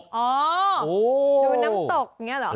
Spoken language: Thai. ดูน้ำตกอย่างนี้เหรอ